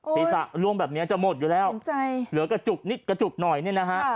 ศีรษะล่วงแบบนี้จะหมดอยู่แล้วเหลือกระจุกนิดกระจุกหน่อยเนี่ยนะฮะ